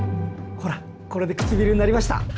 ほらこれでくちびるになりました。